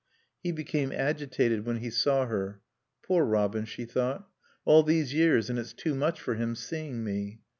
He became agitated when he saw her. "Poor Robin," she thought. "All these years, and it's too much for him, seeing me."